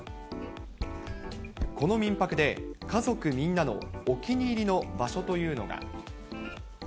この民泊で家族みんなのお気に入りの場所というのが。